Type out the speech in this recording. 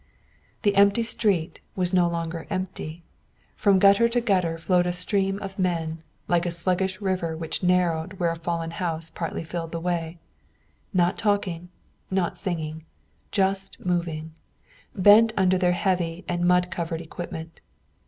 The empty street was no longer empty. From gutter to gutter flowed a stream of men, like a sluggish river which narrowed where a fallen house partly filled the way; not talking, not singing, just moving, bent under their heavy and mud covered equipment.